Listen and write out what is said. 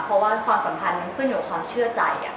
เพราะว่าความสัมพันธ์มันขึ้นอยู่กับความเชื่อใจ